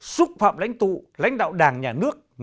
xúc phạm lãnh tụ lãnh đạo đảng nhà nước